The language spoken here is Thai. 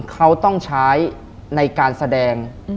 เขาต้องใช้ในการแสดง